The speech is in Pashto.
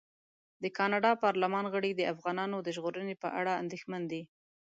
د کاناډا پارلمان غړي د افغانانو د ژغورنې په اړه اندېښمن دي.